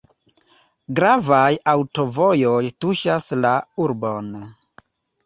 Gravaj aŭtovojoj tuŝas la urbon.